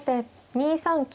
２三金。